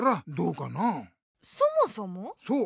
そう！